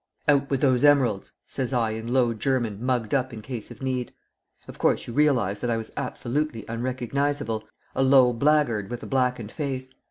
'Out with those emeralds,' says I in low German mugged up in case of need. Of course you realise that I was absolutely unrecognisable, a low blackguard with a blackened face.